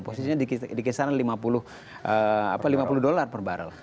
posisinya di kisaran lima puluh dolar per barrel